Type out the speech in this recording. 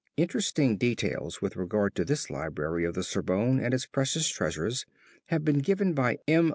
Interesting details with regard to this library of the Sorbonne and its precious treasures have been given by M.